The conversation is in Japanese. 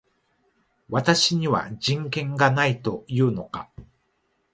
私には人権がないと言うのか